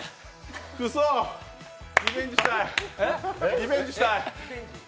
くそー、リベンジしたい。